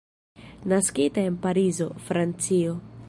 Naskita en Parizo, Francio.